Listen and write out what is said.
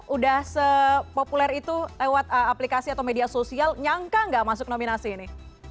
udah sepopuler itu lewat aplikasi atau media sosial nyangka nggak masuk nominasi ini